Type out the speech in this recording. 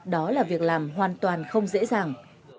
đó là việc làm hoàn toàn không dễ dàng